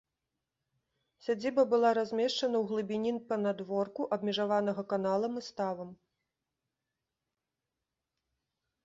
Сядзіба была размешчана ў глыбіні панадворку, абмежаванага каналам і ставам.